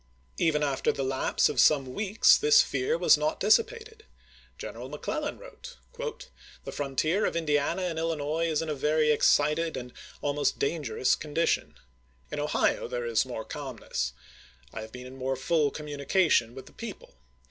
Even after the lapse of some weeks this fear was not dissipated. General McClellan wrote : The frontier of Indiana and Illinois is in a very excited and almost dangerous condition. In Ohio there is more calmness. I have been in more full communication with the people.